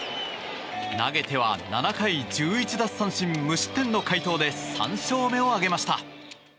投げては７回１１奪三振無失点の快投で３勝目を挙げました。